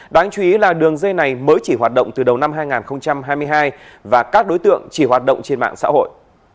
đáng chú ý là đường dây này mới chỉ hoạt động từ đầu năm hai nghìn hai mươi hai và các đối tượng chỉ hoạt động trên mạng xã hội